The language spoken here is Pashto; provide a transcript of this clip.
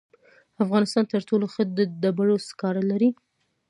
افغانستان تر ټولو ښه د ډبرو سکاره لري.